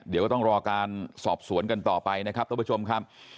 เดี๋ยวก็ต้องรอการสอบสวนกันต่อไปนะครับท่านผู้ชมครับ